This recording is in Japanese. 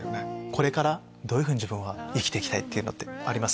これからどういうふうに自分は生きていきたいってあります？